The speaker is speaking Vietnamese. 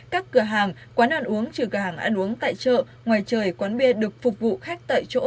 các cửa hàng quán ăn uống trừ cửa hàng ăn uống tại chợ ngoài trời quán bia được phục vụ khách tại chỗ